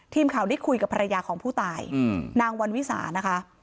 ทีมข่าวได้คุยกับภรรยาของผู้ตายนางวันวิสานะคะ